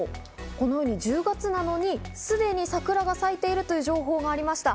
このように、１０月なのにすでに桜が咲いているという情報がありました。